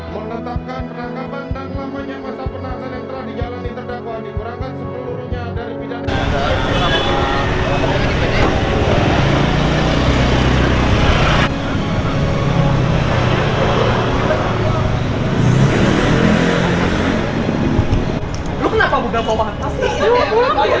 menetapkan rangka bandang lamanya masa penangsaan yang telah dijalani terdakwa dikurangkan sepeluruhnya dari pidana penjara selama satu tahun dan enam bulan